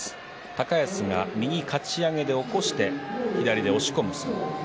高安が右かち上げで起こして左で押し込む相撲。